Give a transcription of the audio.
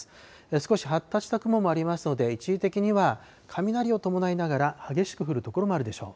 少し発達した雲もありますので、一時的には、雷を伴いながら激しく降る所もあるでしょう。